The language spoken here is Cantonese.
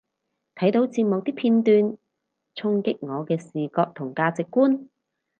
睇到個節目啲片衝擊我嘅視覺同價值觀